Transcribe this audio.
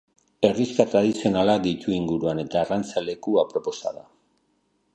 Herrixka tradizionalak ditu inguruan eta arrantza leku aproposa da.